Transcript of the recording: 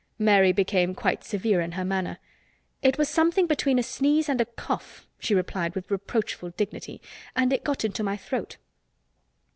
Mary became quite severe in her manner. "It was something between a sneeze and a cough," she replied with reproachful dignity, "and it got into my throat."